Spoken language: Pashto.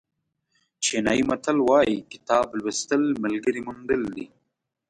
چینایي متل وایي کتاب لوستل ملګري موندل دي.